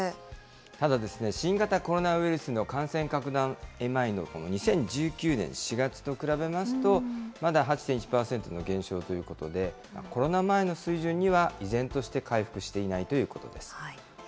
ただ、新型コロナウイルスの感染拡大前の２０１９年４月と比べますと、まだ８．１％の減少ということで、コロナ前の水準には依然として回復していないということです。